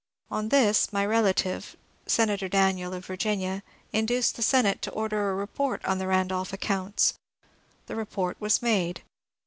On this my relative. Senator Daniel of Virginia, induced the Senate to order a report on the Randolph accounts. The re port was made.